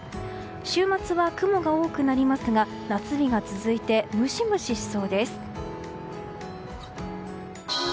週末は雲が多くなりますが夏日が続いてムシムシしそうです。